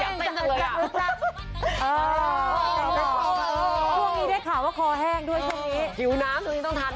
ขออีกสักเก่าถ้าแล้วจะรอคนใหม่